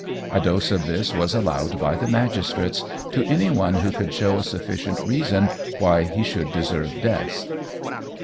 A dose of this was allowed by the magistrates "to any one who could show a sufficient reason why he should deserve death."